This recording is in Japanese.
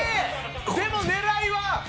でも、狙いは。